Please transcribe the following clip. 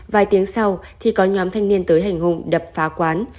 vài tiếng sau thì có nhóm thanh niên tới hành hùng đập phá quán